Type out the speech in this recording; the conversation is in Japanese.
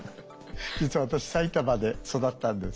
実は私埼玉で育ったんです。